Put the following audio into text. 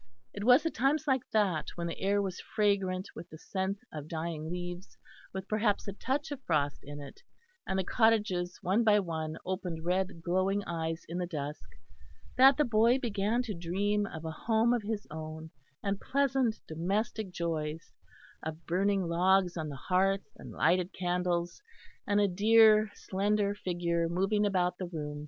It was at times like that, when the air was fragrant with the scent of dying leaves, with perhaps a touch of frost in it, and the cottages one by one opened red glowing eyes in the dusk, that the boy began to dream of a home of his own and pleasant domestic joys; of burning logs on the hearth and lighted candles, and a dear slender figure moving about the room.